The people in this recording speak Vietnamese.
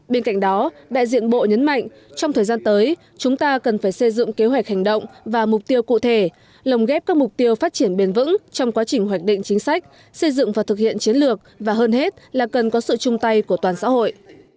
bên cạnh đó đại diện bộ nhấn mạnh trong thời gian tới chúng ta cần phải xây dựng kế hoạch hành động và mục tiêu cụ thể lồng ghép các mục tiêu phát triển bền vững trong quá trình hoạch định chính sách xây dựng và thực hiện chiến lược và hơn hết là cần có sự chung tay của toàn xã hội